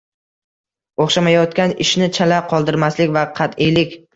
O‘xshamayotgan ishni chala qoldirmaslik va qatʼiylik